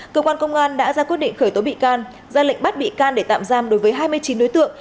cơ quan công an đã ra quyết định khởi tố bị can ra lệnh bắt bị can để tạm giam đối với hai mươi chín đối tượng